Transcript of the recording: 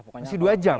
masih dua jam